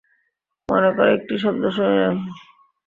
মনে কর, একটি শব্দ শুনিলাম।